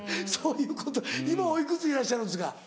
そういうこと今おいくつでいらっしゃるんですか？